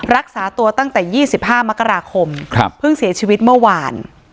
รักษาตัวตั้งแต่๒๕มกราคมเพิ่งเสียชีวิตเมื่อวาน